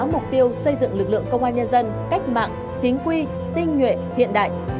mục tiêu xây dựng lực lượng công an nhân dân cách mạng chính quy tinh nhuệ hiện đại